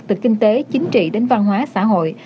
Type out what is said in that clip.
từ kinh tế chính trị đến văn hóa xã hội